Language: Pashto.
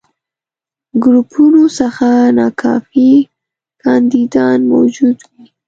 ګروپونو څخه ناکافي کانديدان موجود وي.